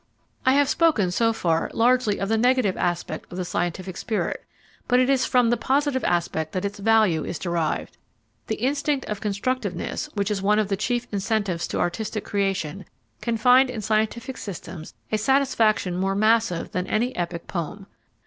I have spoken so far largely of the negative aspect of the scientific spirit, but it is from the positive aspect that its value is derived. The instinct of constructiveness, which is one of the chief incentives to artistic creation, can find in scientific systems a satisfaction more massive than any epic poem.